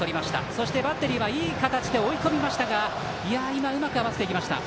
そしてバッテリーはいい形で追い込みましたが、今うまく合わせていきました。